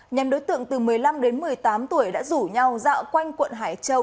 nhằm đối tượng từ một mươi năm đến một mươi tám tuổi đã rủ nhau dạo quanh quận hải châu